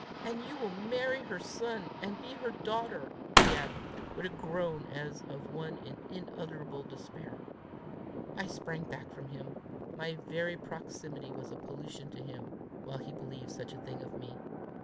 And you will marry her son, and be her daughter!" he added, with a groan as of one in unutterable despair. I sprang back from him. My very proximity was a pollution to him while he believed such a thing of me!